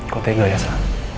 kok tega ya sa